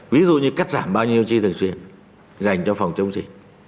ví dụ như cắt giảm bao nhiêu chi thực truyền dành cho phòng chống trị